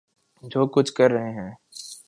جو کچھ کر رہے ہیں۔